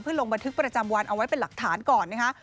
ลงบันทึกประจำวันเอาไว้เป็นหลักฐานก่อนนะคะ